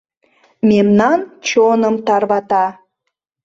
Мемнан чоным тарвата.